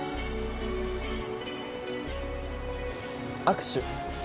握手。